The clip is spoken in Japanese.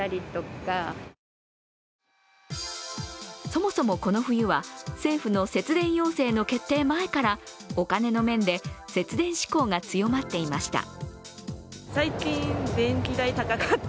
そもそもこの冬は政府の節電要請の決定前からお金の面で節電志向が強まっていました。